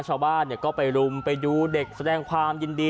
ชาวบ้านก็ไปรุมไปดูเด็กแสดงความยินดี